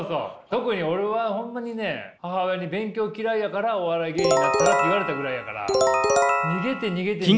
特に俺はホンマにね母親に「勉強嫌いやからお笑い芸人になったら？」って言われたぐらいやから。